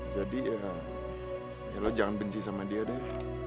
jadi ya lo jangan benci sama dia deh